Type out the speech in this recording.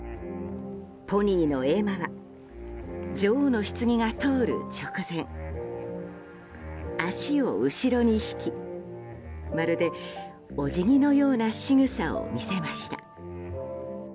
ポニーのエマは女王のひつぎが通る直前足を後ろに引きまるでおじぎのようなしぐさを見せました。